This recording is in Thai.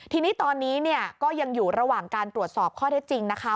ทีนี้ตอนนี้เนี่ยก็ยังอยู่ระหว่างการตรวจสอบข้อเท็จจริงนะคะ